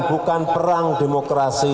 bukan perang demokrasi